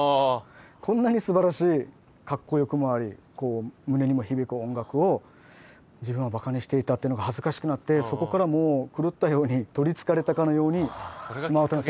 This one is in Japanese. こんなにすばらしいかっこよくもあり胸にも響く音楽を自分はバカにしていたというのが恥ずかしくなってそこからもう狂ったように取りつかれたかのようにシマ唄の世界に入りました。